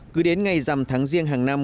cứ đến ngày dằm tháng riêng hàng năm